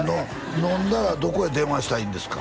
飲んだらどこへ電話したらいいんですか？